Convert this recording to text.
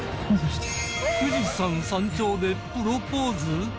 富士山山頂でプロポーズ！？